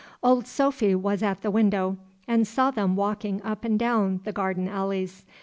Old Sophy was at the window and saw them walking up and down the garden alleys.